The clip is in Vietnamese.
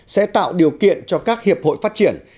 sẽ tạo điều kiện cho các hiệp hội phát triển